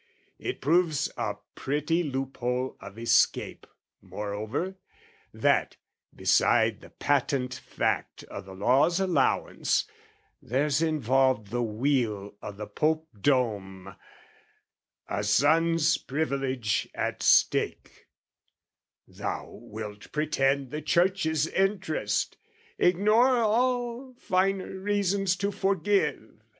"It proves a pretty loophole of escape "Moreover, that, beside the patent fact "O' the law's allowance, there's involved the weal "O' the Popedom: a son's privilege at stake, "Thou wilt pretend the Church's interest, "Ignore all finer reasons to forgive!